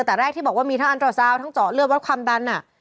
แต่แรกที่บอกว่ามีทั้งอันตราซาวทั้งเจาะเลือดวัดความดัน